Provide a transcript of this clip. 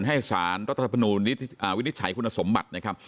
ให้สารรัฐธรรมนูลวินิจฉัยคุณสมบัตินะครับ